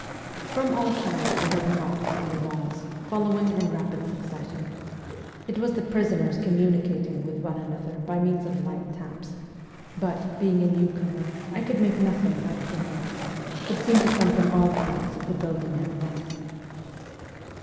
From all sides I heard knocks on the walls, following in rapid succession. It was the prisoners communicating with one another by means of light taps ; but, being a newcomer, I could make nothing K 2 132 MEMOIRS OF A REVOLUTIONIST out of the noise, which seemed to come from all parts of the building at once.